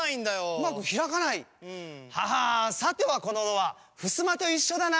うまくひらかない？ははぁさてはこのドアふすまといっしょだな。